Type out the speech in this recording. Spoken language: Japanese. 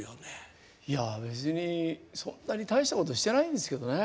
いや別にそんなに大したことしてないんですけどね。